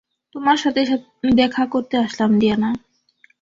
তোমার সাথে দেখা করতে আসলাম, ডিয়ানা।